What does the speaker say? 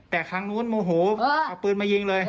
แต่ครั้งนู้นโมโหเอาปืนมายิงเลย